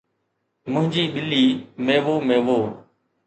منهنجي ٻلي، ميوو ميوو.